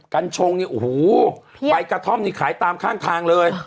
กัญชงเนี่ยอู๋ฮูไบกาธอมเนี่ยขายตามข้างเลย